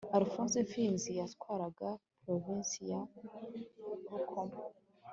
Alfonsi Mfizi yatwaraga Provinsi ya Rukoma